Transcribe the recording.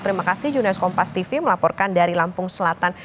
terima kasih junes kompas tv melaporkan dari lampung selatan